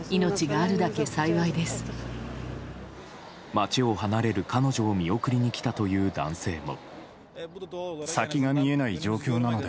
街を離れる彼女を見送りに来たという男性も。